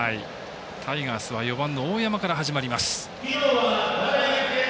タイガースは４番の大山から始まります。